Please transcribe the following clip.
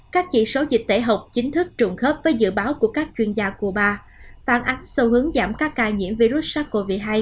các chỉ số dịch tễ học chính thức trùng khớp với dự báo của các chuyên gia cuba phản ánh xu hướng giảm các ca nhiễm virus sars cov hai